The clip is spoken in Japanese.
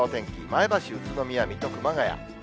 前橋、宇都宮、水戸、熊谷。